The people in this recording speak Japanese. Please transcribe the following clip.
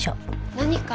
何か？